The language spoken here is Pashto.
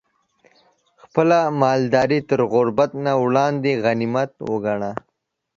خپله مالداري تر غربت نه وړاندې غنيمت وګڼه